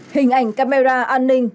hình ảnh camera an ninh